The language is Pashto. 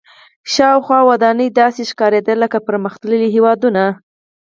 شاوخوا ودانۍ داسې ښکارېدې لکه پرمختللي هېواد.